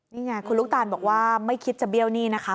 นี่ไงคุณลูกตาลบอกว่าไม่คิดจะเบี้ยวหนี้นะคะ